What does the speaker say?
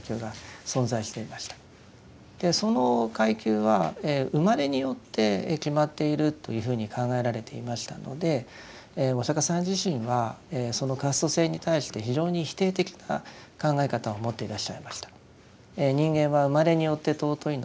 でその階級は生まれによって決まっているというふうに考えられていましたのでお釈迦さん自身はそのカースト制に対して非常に否定的な考え方を持っていらっしゃいました。